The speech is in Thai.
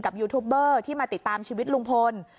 ยูทูปเบอร์ที่มาติดตามชีวิตลุงพล